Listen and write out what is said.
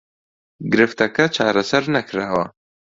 گرفتەکە چارەسەر نەکراوە